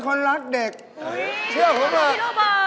ผมเป็นคนรักเด็กเชื่อผมล่ะ